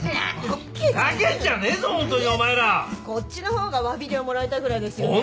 こっちの方がわび料もらいたいぐらいですよね？